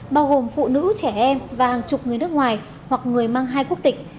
bao gồm phụ nữ trẻ em và hàng chục người nước ngoài hoặc người mang hai quốc tịch